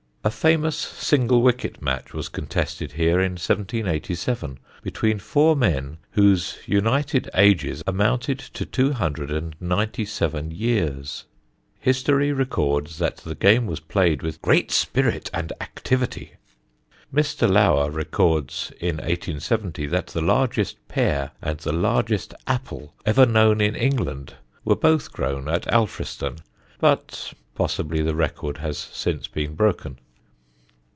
A famous single wicket match was contested here in 1787, between four men whose united ages amounted to 297 years. History records that the game was played with "great spirit and activity." Mr. Lower records, in 1870, that the largest pear and the largest apple ever known in England were both grown at Alfriston, but possibly the record has since been broken.